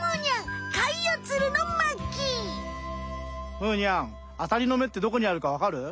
むーにゃんアサリのめってどこにあるかわかる？